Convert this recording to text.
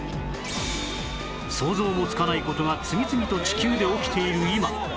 想像もつかない事が次々と地球で起きている今